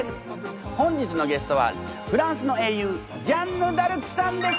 本日のゲストはフランスの英雄ジャンヌ・ダルクさんです！